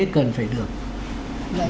cần phải được đạt được